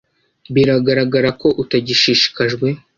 Biragaragara ko utagishishikajwe